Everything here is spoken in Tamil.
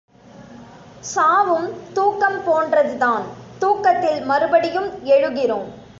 சாவும் தூக்கம் போன்றதுதான் தூக்கத்தில் மறுபடியும் எழுகிறோம்.